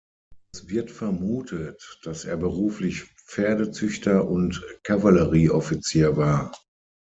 Es wird vermutet, dass er beruflich Pferdezüchter und Kavallerieoffizier war.